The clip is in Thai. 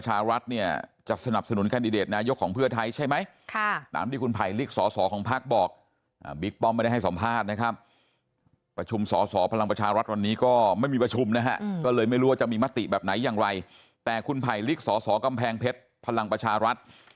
อะไรกับใครอยู่แล้วขอบคุณทุกคนนะจ๊ะสวัสดีจ๊ะ